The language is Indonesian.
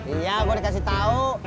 iya gue dikasih tahu